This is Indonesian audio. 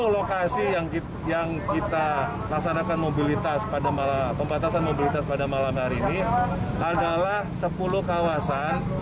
sepuluh lokasi yang kita laksanakan mobilitas pada malam hari ini adalah sepuluh kawasan